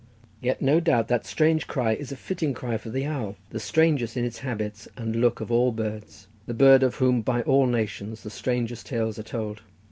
Yet no doubt that strange cry is a fitting cry for the owl, the strangest in its habits and look of all birds, the bird of whom by all nations the strangest tales are told.